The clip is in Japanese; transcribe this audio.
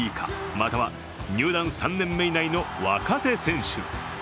または入団３年目以内の若手選手。